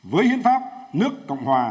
với hiến pháp nước cộng hòa